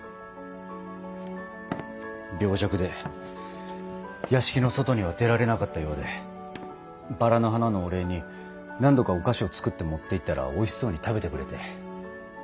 病弱で屋敷の外には出られなかったようでバラの花のお礼に何度かお菓子を作って持って行ったらおいしそうに食べてくれて。